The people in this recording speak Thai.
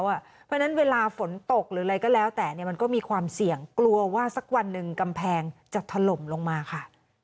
เพราะฉะนั้นเวลาฝนตกหรืออะไรก็แล้วแต่มันก็มีความเสี่ยงกลัวว่าสักวันหนึ่งกำแพงจะถล่มลงมาค่ะ